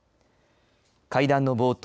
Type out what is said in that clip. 会談の冒頭